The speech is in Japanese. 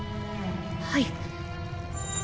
はい。